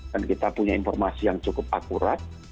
dan kita punya informasi yang cukup akurat